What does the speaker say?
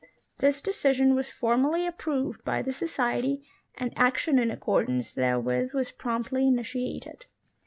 This decision was formally approved by the Society, and action in accordance therewith was promptly initiated.